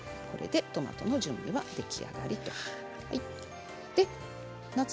これで、トマトの準備は出来上がりです。